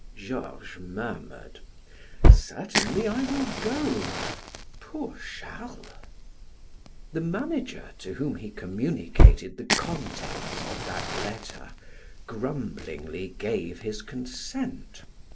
Georges murmured: "Certainly I will go. Poor Charles!" The manager, to whom he communicated the contents of that letter, grumblingly gave his consent.